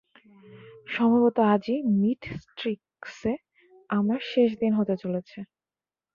সম্ভবত আজই মীট স্টিক্সে আমার শেষ দিন হতে চলেছে।